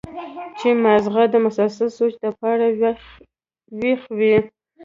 چې مازغه د مسلسل سوچ د پاره وېخ وي